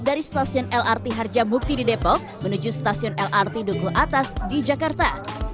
dari stasiun lrt harjamukti di depok menuju stasiun lrt duku atas di jakarta